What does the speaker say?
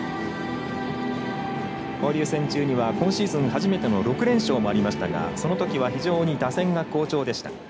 交流戦中には今シーズン初めての６連勝もありましたがそのときは、非常に打線が好調でした。